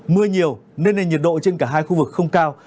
mưa nhiều nên nền nhiệt độ trên cả hai khu vực không cao